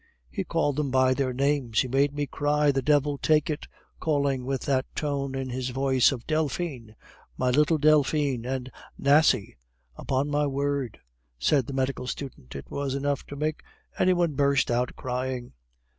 He called them by their names. He made me cry, the devil take it, calling with that tone in his voice, for 'Delphine! my little Delphine! and Nasie!' Upon my word," said the medical student, "it was enough to make any one burst out crying."